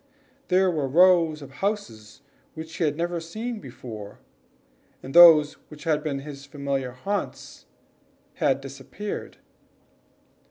There were rows of houses which he had never seen before, and those which had been his familiar haunts had disappeared.